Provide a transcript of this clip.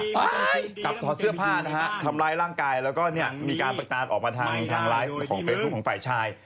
กลับถอดเสื้อผ้าทำร้ายร่างกายแล้วก็มีการประจานออกมาทางร้ายของฝ่ายชาย